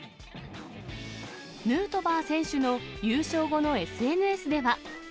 ヌートバー選手の優勝後のＳＮＳでは。